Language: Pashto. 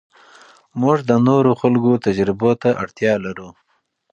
موږ د نورو خلکو تجربو ته اړتیا لرو.